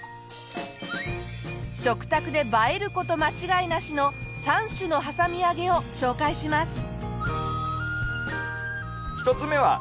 食卓で映える事間違いなしの３種のはさみ揚げを紹介します。